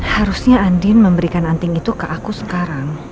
harusnya andin memberikan anting itu ke aku sekarang